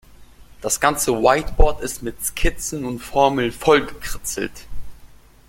Das ganze Whiteboard ist mit Skizzen und Formeln vollgekritzelt.